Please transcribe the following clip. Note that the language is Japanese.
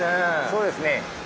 そうですね。